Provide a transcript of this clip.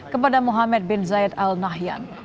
kepada muhammad bin zayed al nahyan